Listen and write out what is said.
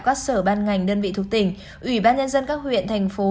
các sở ban ngành đơn vị thuộc tỉnh ủy ban nhân dân các huyện thành phố